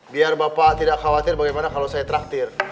biar bapak tidak khawatir bagaimana kalau saya traktir